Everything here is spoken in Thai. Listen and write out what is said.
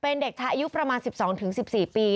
เป็นเด็กชายอายุประมาณ๑๒๑๔ปี